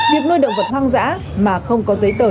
việc nuôi động vật hoang dã mà không có giấy tờ